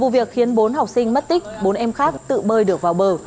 vụ việc khiến bốn học sinh mất tích bốn em khác tự bơi được vào bờ